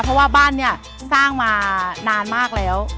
เพราะว่าบ้านเนี่ยสร้างมานานมากแล้ว